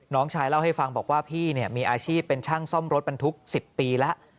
น้องชายเล่าให้ฟังบอกว่าพี่มีอาชีพเป็นช่างซ่อมรถบรรทุก๑๐ปีแล้ว